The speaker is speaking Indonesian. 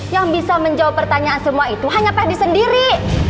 yang bisa menjawab pertanyaan semua itu hanya pak di sendiri